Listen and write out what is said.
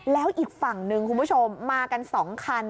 แล้วอีกฝั่งหนึ่งคุณผู้ชมมากัน๒คัน